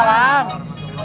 nah pak ustadz rw